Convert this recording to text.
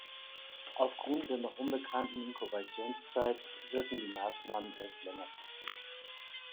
Aufgrund der noch unbekannten Inkubationszeit wirken die Maßnahmen erst längerfristig.